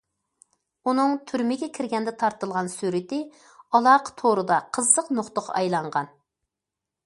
ئۇنىڭ تۈرمىگە كىرگەندە تارتىلغان سۈرىتى ئالاقە تورىدا قىزىق نۇقتىغا ئايلانغان.